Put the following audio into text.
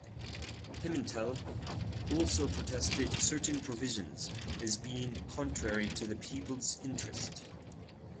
Pimentel also protested certain provisions as being contrary to the people's interest.